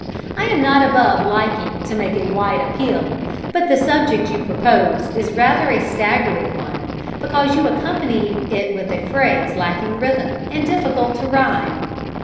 I am not above liking to make a "wide appeal," but the subject you propose is rather a staggering one, because you accompany it with a phrase lacking rhythm, and difficult to rhyme.